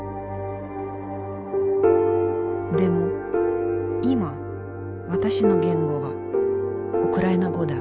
でも今私の言語はウクライナ語だ。